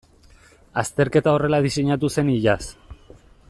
Azterketa horrela diseinatu zen iaz.